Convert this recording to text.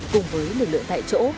cùng với lực lượng tại chỗ